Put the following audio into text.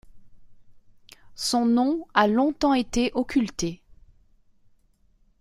Son nom a longtemps été occulté.